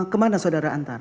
kemana saudara antar